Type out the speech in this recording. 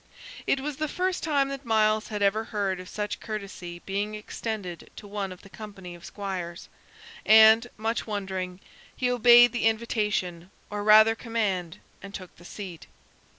It was the first time that Myles had ever heard of such courtesy being extended to one of the company of squires, and, much wondering, he obeyed the invitation, or rather command, and took the seat.